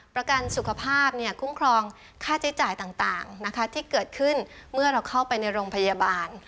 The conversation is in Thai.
ประกันสุขภาพคุ้มครองค่าใช้จ่ายต่างที่เกิดขึ้นเมื่อเราเข้าไปในโรงพยาบาล